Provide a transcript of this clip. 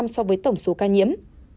so với tổng số ca nhiễm